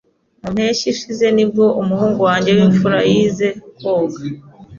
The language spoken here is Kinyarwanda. Mu mpeshyi ishize nibwo umuhungu wanjye w'imfura yize koga.